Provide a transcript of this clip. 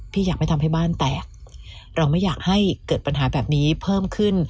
อยากไม่ทำให้บ้านแตกเราไม่อยากให้เกิดปัญหาแบบนี้เพิ่มขึ้น